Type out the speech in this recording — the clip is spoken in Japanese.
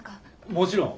もちろん。